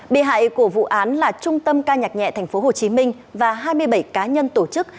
bị hại của vụ án là trung tâm ca nhạc nhẹ tp hcm và hai mươi bảy cá nhân tổ chức